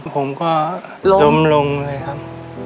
ผมก็ล้มลงเลยครับ